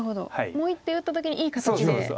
もう１手打った時にいい形で。